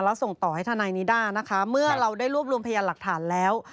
แล้วส่งต่อให้ทนายนิด้านะคะเมื่อเราได้รวบรวมพยานหลักฐานแล้ว